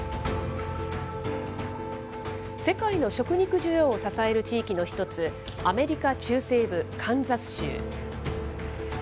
世界の食肉需要を支える地域の一つ、アメリカ中西部カンザス州。